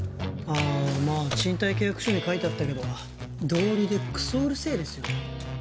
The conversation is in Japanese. あまあ賃貸契約書に書いてあったけど道理でクソうるせえですよ